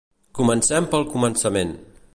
Comencem pel començament